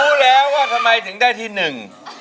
รู้แล้วว่าทำไมถึงได้ที่หนึ่ง